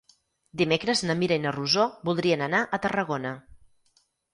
Dimecres na Mira i na Rosó voldrien anar a Tarragona.